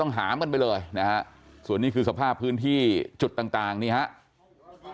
หามกันไปเลยนะฮะส่วนนี้คือสภาพพื้นที่จุดต่างนี่ครับ